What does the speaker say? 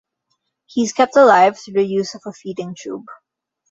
He is kept alive through the use of a feeding tube.